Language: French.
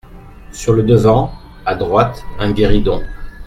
Sur le devant, à droite, un guéridon.